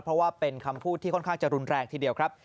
เพราะว่าเป็นคำพูดที่ค่อนข้างจะรุนแรงทีเดียวครับ